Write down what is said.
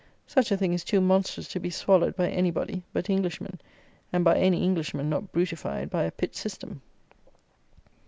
Such a thing is too monstrous to be swallowed by any body but Englishmen, and by any Englishman not brutified by a Pitt system.